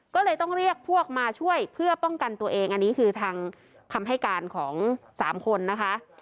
ก็เลยต้องเรียกพวกมาช่วยเพื่อป้องกันตัวเองอันนี้คือทางคำให้การของสามคนนะคะ